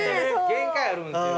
限界あるんですよ。